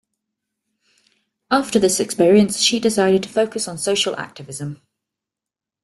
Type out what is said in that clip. After this experience, she decided to focus on social activism.